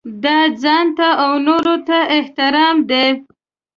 دا ځانته او نورو ته احترام دی.